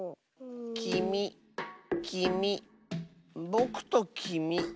きみきみぼくときみ。